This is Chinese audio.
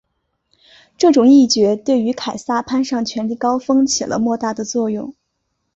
这种议决对于凯撒攀上权力高峰起了莫大的作用。